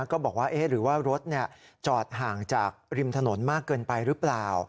ก็บอกว่าหรือว่ารถจอดห่างจากริมถนนมากเกินไปหรือเปล่า